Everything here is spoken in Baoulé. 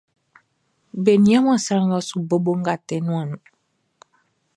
Be nianman sran ngʼɔ su bobo nʼgatɛ nuanʼn nun.